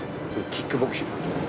キックボクシングです。